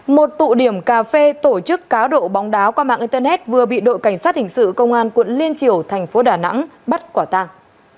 một tụ điểm cà phê tổ chức cá độ bóng đá qua mạng internet vừa bị đội cảnh sát hình sự công an quận liên triều thành phố đà nẵng bắt quả tàng